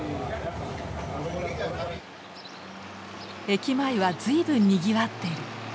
駅前は随分にぎわっている。